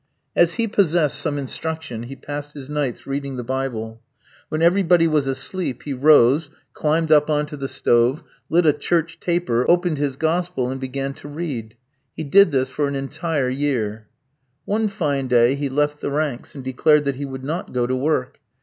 As he possessed some instruction he passed his nights reading the Bible. When everybody was asleep he rose, climbed up on to the stove, lit a church taper, opened his Gospel and began to read. He did this for an entire year. One fine day he left the ranks and declared that he would not go to work.